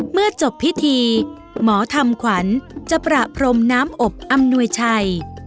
เมื่อจบพิธีหมอทำขวัญจะประพรมน้ำอบอำนวยชัย